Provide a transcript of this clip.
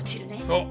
そう。